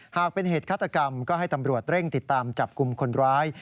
หากเป็นเหตุฆาตกรรมก็ให้ตำรวจเร่งติดตามจับกลุ่มคนร้าย